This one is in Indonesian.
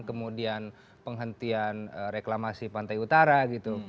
kemudian penghentian reklamasi pantai utara gitu